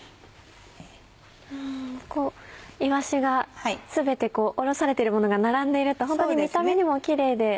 いわしが全ておろされてるものが並んでいるとホントに見た目にもキレイで。